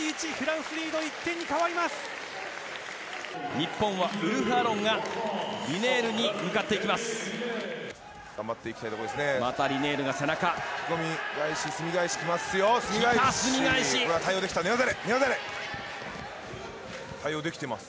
日本はウルフ・アロンがリネールに向かっていきます。